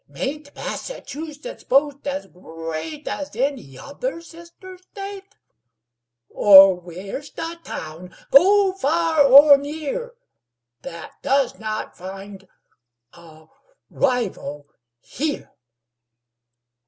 Mayn't Massachusetts boast as great As any other sister state? Or where's the town, go far or near, That does not find a rival here?